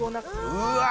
うわ！